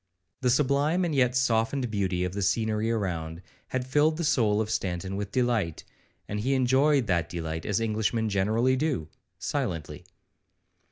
The sublime and yet softened beauty of the scenery around, had filled the soul of Stanton with delight, and he enjoyed that delight as Englishmen generally do, silently.